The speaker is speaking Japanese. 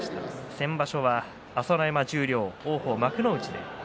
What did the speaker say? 先場所は朝乃山、十両王鵬、幕内でした。